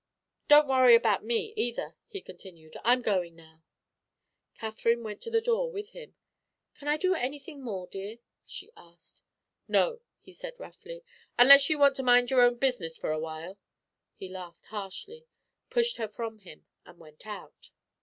"Don't worry about me, either," he continued; "I'm going now." Katherine went to the door with him. "Can I do anything more, dear?" she asked. "No," he said roughly, "unless you want to mind your own business for a while!" He laughed harshly, pushed her from him, and went out.